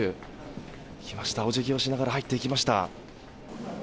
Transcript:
お辞儀をしながら入っていきました。